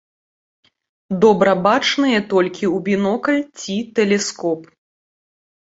Добра бачныя толькі ў бінокль ці тэлескоп.